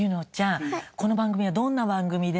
この番組はどんな番組ですか？